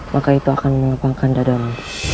maka itu akan mengepangkan dadamu